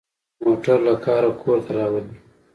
موټر له کاره کور ته راولي.